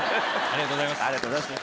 ありがとうございます。